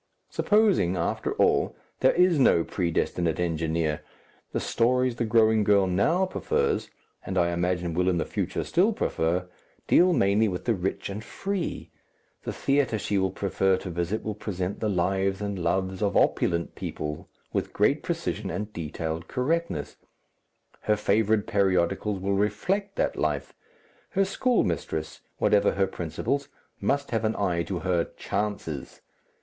Supposing, after all, there is no predestinate engineer! The stories the growing girl now prefers, and I imagine will in the future still prefer, deal mainly with the rich and free; the theatre she will prefer to visit will present the lives and loves of opulent people with great precision and detailed correctness; her favourite periodicals will reflect that life; her schoolmistress, whatever her principles, must have an eye to her "chances."